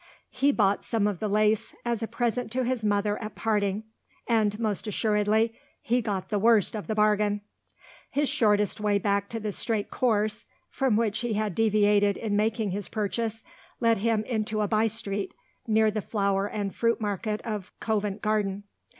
He bought some of the lace, as a present to his mother at parting; and, most assuredly, he got the worst of the bargain. His shortest way back to the straight course, from which he had deviated in making his purchase, led him into a by street, near the flower and fruit market of Covent Garden.